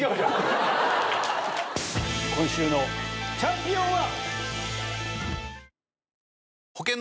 今週のチャンピオンは。